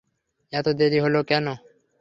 এত দেরি হলো কেন?